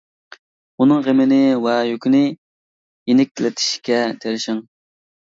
ئۇنىڭ غېمىنى ۋە يۈكىنى يېنىكلىتىشكە تىرىشىڭ.